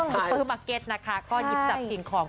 คือมาเก็ตนะคะก็ยิบจากติ่งของ